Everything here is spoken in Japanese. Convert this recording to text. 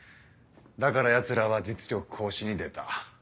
だからヤツらは実力行使に出た。